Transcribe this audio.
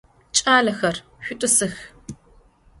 Ç'alexer, şsut'ısıx!